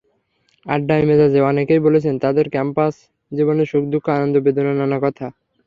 আড্ডার মেজাজে অনেকেই বলেছেন তঁাদের ক্যাম্পাস জীবনের সুখ–দুঃখ, আনন্দ–বেদনার নানা কথা।